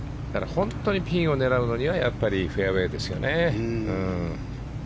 本当にピンを狙うにはやっぱりフェアウェーですよね。